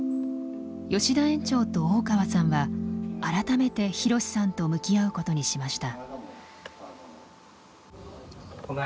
吉田園長と大川さんは改めてひろしさんと向き合うことにしました。